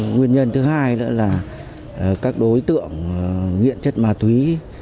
nguyên nhân thứ hai nữa là các đối tượng nghiện chất ma túy